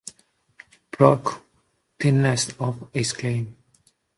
Brock Thiessen of Exclaim!